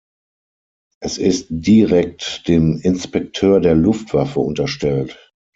Es ist direkt dem Inspekteur der Luftwaffe unterstellt.